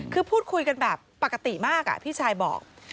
คือพูดคุยกันแบบปกติมากพี่ชายบอก